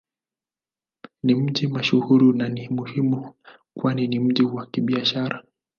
Ni mji mashuhuri na ni muhimu kwani ni mji wa Kibiashara.